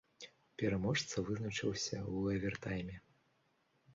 Пераможца вызначыўся ў авертайме.